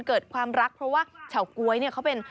เกิดความรักเพราะว่าเฉาก๊วยเนี่ยเขาเป็น